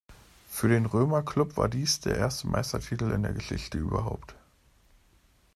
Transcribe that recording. Für den Römer Klub war dies der erste Meistertitel in der Geschichte überhaupt.